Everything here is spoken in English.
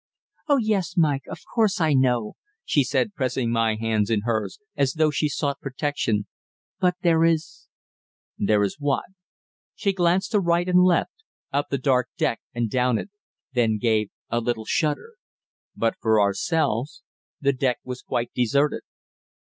"Oh, yes, Mike, of course I know," she said, pressing my hands in hers, as though she sought protection, "but there is " "There is what?" She glanced to right and left, up the dark deck, and down it, then gave a little shudder. But for ourselves, the deck was quite deserted.